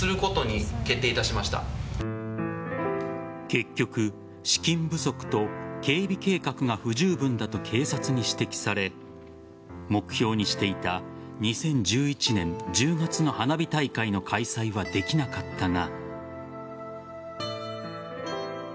結局、資金不足と警備計画が不十分だと警察に指摘され目標にしていた２０１１年１０月の花火大会の開催はできなかったが。